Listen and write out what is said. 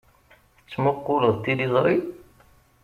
Tettmuqquleḍ tiliẓri?